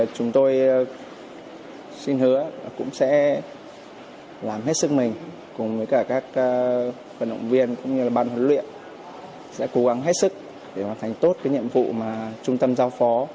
chúng tôi xin hứa cũng sẽ làm hết sức mình cùng với cả các vận động viên cũng như là ban huấn luyện sẽ cố gắng hết sức để hoàn thành tốt cái nhiệm vụ mà trung tâm giao phó